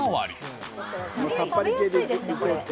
つみれ、食べやすいですね、これ。